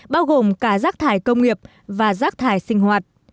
bao gồm cả rác thải công nghiệp và rác thải sinh hoạt